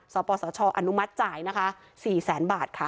ส่อตสชอนุมัติจ่าย๔แสนบาทค่ะ